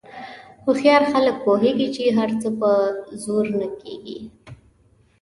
هوښیار خلک پوهېږي چې هر څه په زور نه کېږي.